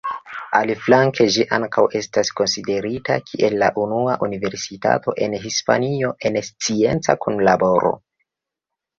Aliflanke, ĝi ankaŭ estas konsiderita kiel la unua universitato en Hispanio en scienca kunlaboro.